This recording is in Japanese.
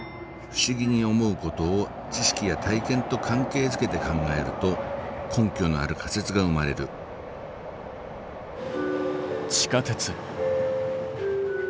不思議に思うことを知識や体験と関係づけて考えると根拠のある仮説が生まれる地下鉄。